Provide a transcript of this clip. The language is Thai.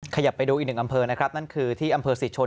ขยับไปดูอีกหนึ่งอำเภอนะครับนั่นคือที่อำเภอศรีชน